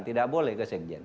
tidak boleh ke sekjen